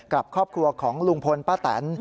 กับครอบครัวของลุงพลป้าแตน